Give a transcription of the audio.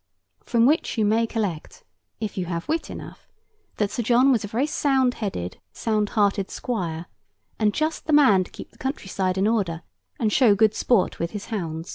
From which you may collect (if you have wit enough) that Sir John was a very sound headed, sound hearted squire, and just the man to keep the country side in order, and show good sport with his hounds.